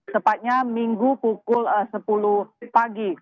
tepatnya minggu pukul sepuluh pagi